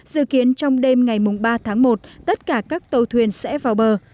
dự kiến trong đêm ngày ba tháng một tất cả các tàu thuyền sẽ vào bờ